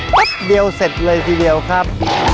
แป๊บเดียวเสร็จเลยทีเดียวครับ